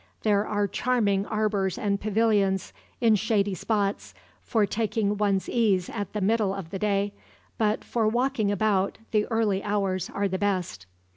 There are charming arbors and pavilions, in shady spots, for taking one's ease at the middle of the day; but for walking about, the early hours are the best."